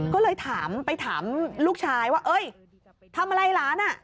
ก็เลยไปถามลูกชายว่าเอ๊ยทำอะไรหลาน